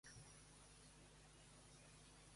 Estic condemnat a ser un monstre.